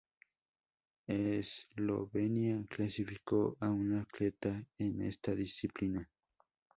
Eslovenia clasificó a un atleta en esta disciplina.